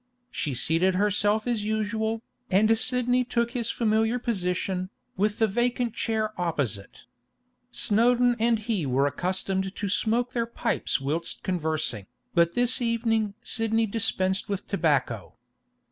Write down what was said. She seated herself as usual, and Sidney took his familiar position, with the vacant chair opposite. Snowdon and he were accustomed to smoke their pipes whilst conversing, but this evening Sidney dispensed with tobacco.